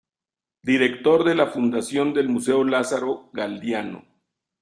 Director de la fundación del Museo Lázaro Galdiano.